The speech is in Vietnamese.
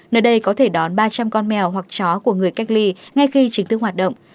nơi đây có thể đón ba trăm linh con mèo hoặc chó của người cách ly ngay khi chính thức hoạt động